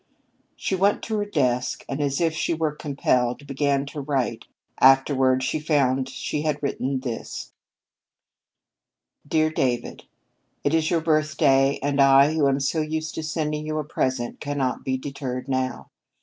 _" She went to her desk, and, as if she were compelled, began to write. Afterward she found she had written this: "DEAR DAVID: "It is your birthday, and I, who am so used to sending you a present, cannot be deterred now.